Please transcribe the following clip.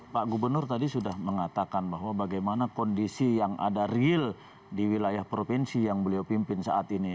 pak gubernur tadi sudah mengatakan bahwa bagaimana kondisi yang ada real di wilayah provinsi yang beliau pimpin saat ini